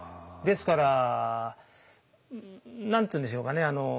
ですから何て言うんでしょうかね。